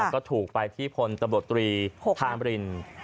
ก็ถูกไปที่พลตรบรตรีทางบริน